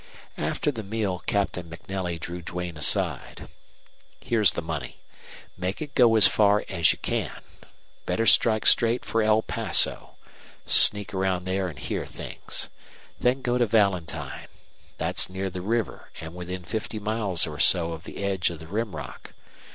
After the meal Captain MacNelly drew Duane aside. "Here's the money. Make it go as far as you can. Better strike straight for El Paso, snook around there and hear things. Then go to Valentine. That's near the river and within fifty miles or so of the edge of the Rim Rock.